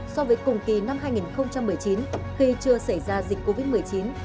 so với cùng kỳ năm hai nghìn một mươi chín khi chưa xảy ra dịch covid một mươi chín